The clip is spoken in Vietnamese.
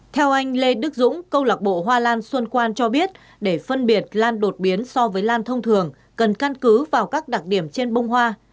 theo anh lê đức dũng câu lạc bộ hoa lan xuân quan cho biết để phân biệt lan đột biến so với lan thông thường cần căn cứ vào các đặc điểm trên bông hoa